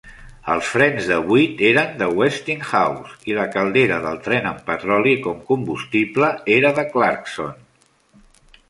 Els frens de buit eren de Westinghouse, i la caldera del tren amb petroli com combustible era de Clarkson.